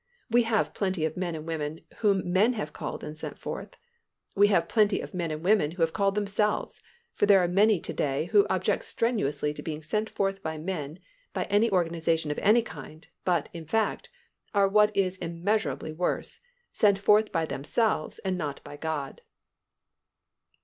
We have plenty of men and women whom men have called and sent forth. We have plenty of men and women who have called themselves, for there are many to day who object strenuously to being sent forth by men, by any organization of any kind, but, in fact, are what is immeasurably worse, sent forth by themselves and not by God.